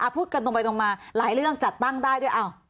พูดกันตรงมาหลายเรื่องจัดตั้งได้ด้วยอ้าว